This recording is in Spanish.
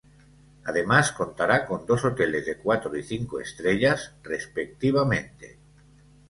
Además, contará con dos hoteles de cuatro y cinco estrellas, respectivamente.